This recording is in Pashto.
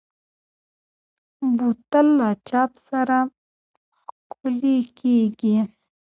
بوتل له چاپ سره ښکلي کېږي.